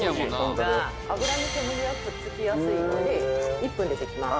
油に煙はくっつきやすいので１分で出来ます